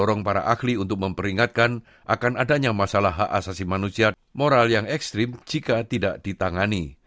mendorong para ahli untuk memperingatkan akan adanya masalah hak asasi manusia moral yang ekstrim jika tidak ditangani